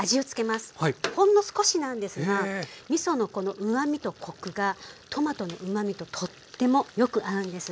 ほんの少しなんですがみそのこのうまみとコクがトマトのうまみととってもよく合うんです。